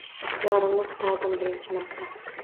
Yorimni kutardim birinchi marta